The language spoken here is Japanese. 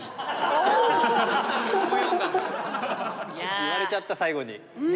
言われちゃった最後に。ね！